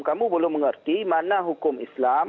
kamu belum mengerti mana hukum islam